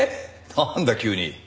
なんだ急に。